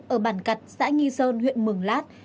ở bản cật xã nhi sơn huyện mường lát